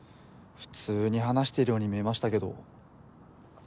普通に話してるように見えましたけど。